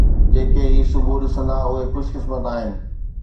جيڪي هي صبح ڏسندا آهن اهي خوش قسمت آهن.